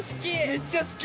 めっちゃ好き。